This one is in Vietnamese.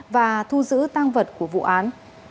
và thu giữ tang vật của vụ án